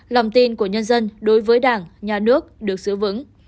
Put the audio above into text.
lòng tin của nhân dân đối với đảng nhà nước được giữ vững